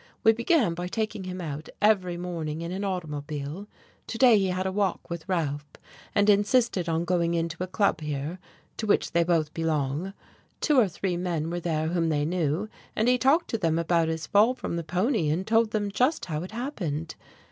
We began by taking him out every morning in an automobile. To day he had a walk with Ralph, and insisted on going into a club here, to which they both belong. Two or three men were there whom they knew, and he talked to them about his fall from the pony and told them just how it happened.